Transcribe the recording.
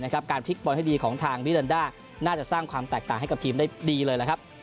การพลิกบอลให้ดีของทางมิรันดาน่าจะสร้างความแตกต่างให้กับทีมได้ดีเลยล่ะครับ